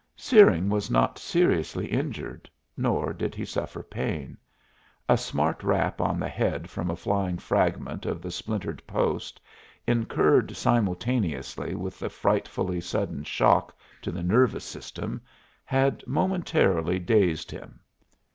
Searing was not seriously injured, nor did he suffer pain. A smart rap on the head from a flying fragment of the splintered post, incurred simultaneously with the frightfully sudden shock to the nervous system, had momentarily dazed him.